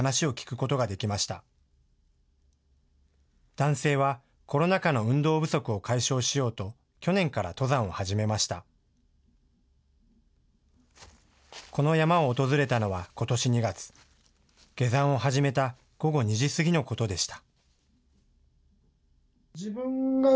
この山を訪れたのは、ことし２月、下山を始めた午後２時過ぎのことでした。